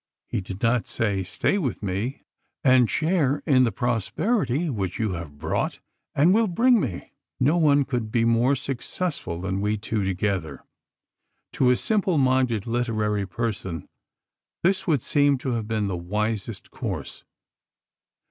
He did not say: "Stay with me and share in the prosperity which you have brought, and will bring me. No one can be more successful than we two together." To a simple minded literary person, this would seem to have been the wisest course.